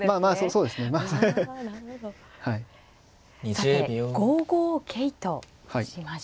さて５五桂と打ちました。